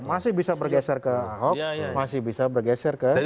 masih bisa bergeser ke ahok masih bisa bergeser ke